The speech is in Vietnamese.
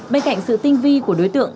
bên cạnh sự tinh vi của đối tượng